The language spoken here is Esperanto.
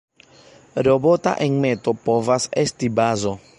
Robota enmeto povas esti bazo.